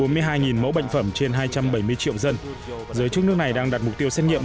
bốn mươi hai mẫu bệnh phẩm trên hai trăm bảy mươi triệu dân giới chức nước này đang đặt mục tiêu xét nghiệm